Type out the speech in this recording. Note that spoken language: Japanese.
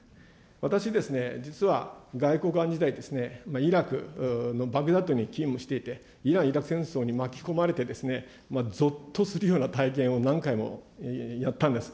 私、実は外交官時代、イラクのバグダッドに勤務していてイラン・イラク戦争に巻き込まれて、ぞっとするような体験を何回もやったんです。